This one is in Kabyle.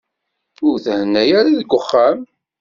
Ur thenna ara deg uxxam.